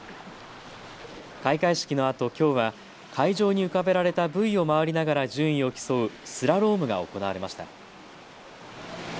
開会式のあと、きょうは海上に浮かべられたブイを回りながら順位を競うスラロームが行われました。